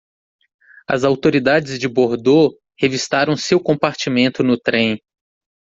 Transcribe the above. As autoridades de Bordeaux revistaram seu compartimento no trem.